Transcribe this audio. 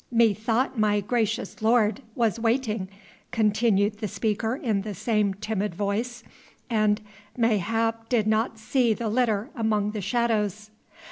"Methought my gracious lord was waiting," continued the speaker in the same timid voice, "and mayhap did not see the litter among the shadows."